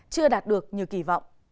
chưa đạt được như kỳ vọng